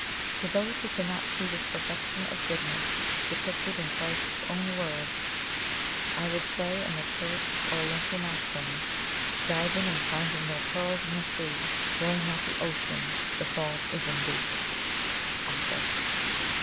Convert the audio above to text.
To those who cannot see this perfection of goodness depicted in Christ's own words, I would say in the terse Oriental maxim: "Diving, and finding no pearls in the sea, Blame not the ocean, the fault is in THEE." AUTHOR.